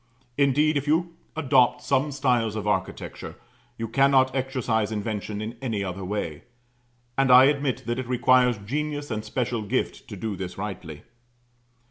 Indeed, if you adopt some styles of architecture, you cannot exercise invention in any other way. And I admit that it requires genius and special gift to do this rightly.